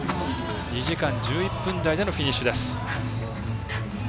２時間１１分台でのフィニッシュ。